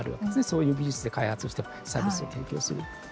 そういう技術で開発をしたサービスを提供するって。